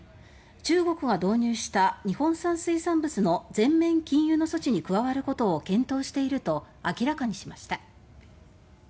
中国が導入した日本産水産物の全面禁輸の措置に加わることを検討していると明らかにしました。